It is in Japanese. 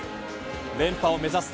連覇を目指す